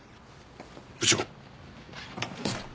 部長。